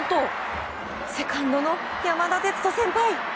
セカンドの山田哲人先輩